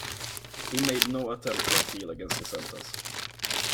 He made no attempt to appeal against the sentence.